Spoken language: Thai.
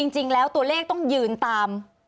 จริงแล้วตัวเลขต้องยืนตาม